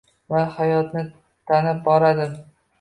va hayotni tanib boradi.